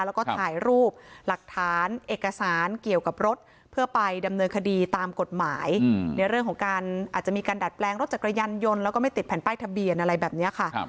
แล้วก็ถ่ายรูปหลักฐานเอกสารเกี่ยวกับรถเพื่อไปดำเนินคดีตามกฎหมายในเรื่องของการอาจจะมีการดัดแปลงรถจักรยานยนต์แล้วก็ไม่ติดแผ่นป้ายทะเบียนอะไรแบบนี้ค่ะ